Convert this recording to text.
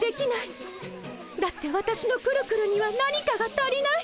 だってわたしのくるくるには何かが足りない。